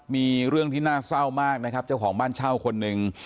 มีเรื่องที่น่าเศร้ามากนะครับเจ้าของบ้านเช่าคนหนึ่ง